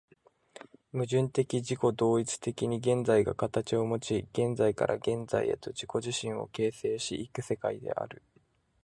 矛盾的自己同一的に現在が形をもち、現在から現在へと自己自身を形成し行く世界である。